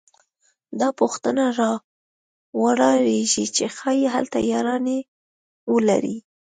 دا پوښتنه راولاړېږي چې ښايي هلته یارانې ولري